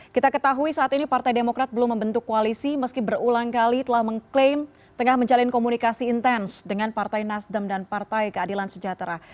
kita ketahui saat ini partai demokrat belum membentuk koalisi meski berulang kali telah mengklaim tengah menjalin komunikasi intens dengan partai nasdem dan partai keadilan sejahtera